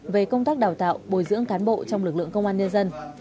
về công tác đào tạo bồi dưỡng cán bộ trong lực lượng công an nhân dân